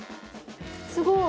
すごい！